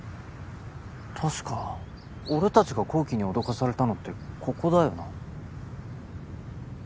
確か俺たちが紘希に脅かされたのってここだよな？